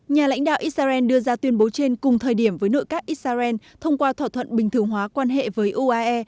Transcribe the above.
nhà lãnh đạo israel đưa ra tuyên bố trên cùng thời điểm với nội các israel thông qua thỏa thuận bình thường hóa quan hệ với uae